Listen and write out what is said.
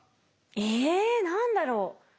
え何だろう？